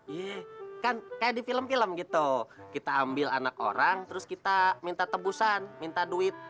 iya kan kayak di film film gitu kita ambil anak orang terus kita minta tebusan minta duit